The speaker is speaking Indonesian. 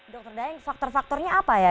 dr dayang faktor faktornya apa